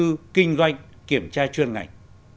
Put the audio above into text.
đầu tư kinh doanh kiểm tra chuyên ngành